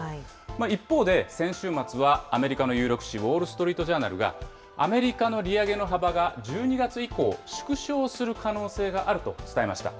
一方で先週末はアメリカの有力紙、ウォール・ストリート・ジャーナルがアメリカの利上げの幅が１２月以降、縮小する可能性があると伝えました。